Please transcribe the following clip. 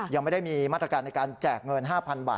ยังไม่ได้มีมาตรการในการแจกเงิน๕๐๐๐บาท